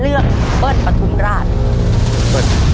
เบิร์นปธุมราชครับ